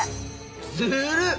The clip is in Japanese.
ずるっ！